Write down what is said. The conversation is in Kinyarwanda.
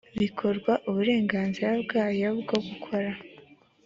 bikorwa uburenganzira bwayo bwo gukora